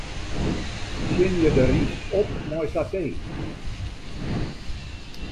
Tsjinje de rys op mei satee.